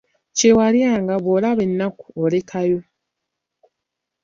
Kye walyanga, bw'olaba ennaku olekayo.